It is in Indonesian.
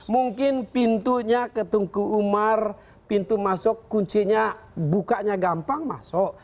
mungkin pintunya ke tungku umar pintu masuk kuncinya bukanya gampang masuk